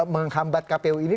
menghambat kpu ini